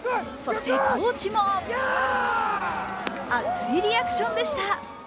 そして、コーチも熱いリアクションでした。